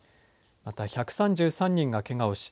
また１３３人がけがをし